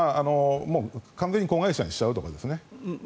完全に子会社にしちゃうとかですね。